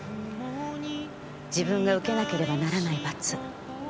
自分が受けなければならない罰。